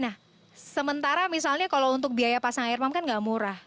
nah sementara misalnya kalau untuk biaya pasang air pump kan gak murah